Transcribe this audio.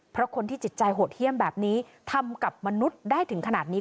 เพราะคนที่จิตใจโหดเยี่ยมแบบนี้ทำกับมนุษย์ได้ถึงขนาดนี้